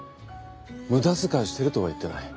無駄遣いしてるとは言ってない。